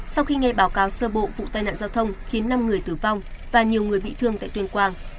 sau khi nghe báo cáo sơ bộ vụ tai nạn giao thông khiến năm người tử vong và nhiều người bị thương tại tuyên quang